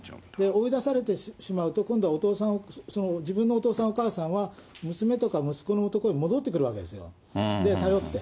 追い出されてしまうと、今度は自分のお父さんお母さんは、娘とか息子の所に戻ってくるわけですよ、頼って。